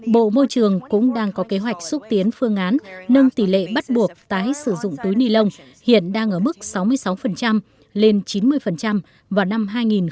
bộ môi trường cũng đang có kế hoạch xúc tiến phương án nâng tỷ lệ bắt buộc tái sử dụng túi ni lông hiện đang ở mức sáu mươi sáu lên chín mươi vào năm hai nghìn hai mươi